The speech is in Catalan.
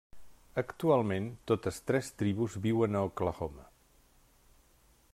Actualment, totes tres tribus viuen a Oklahoma.